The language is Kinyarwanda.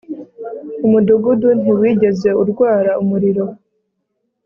umudugudu ntiwigeze urwara umuriro